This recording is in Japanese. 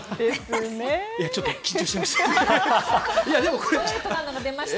ちょっと緊張しちゃいました。